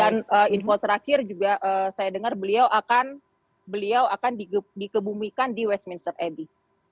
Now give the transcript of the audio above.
dan info terakhir juga saya dengar beliau akan dikebumikan di westminster abbey